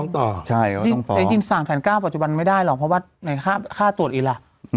แต่จริงสั่ง๑๙๐๐ปัจจุบันไม่ได้หรอกเพราะว่าในค่าตรวจอีล่ะ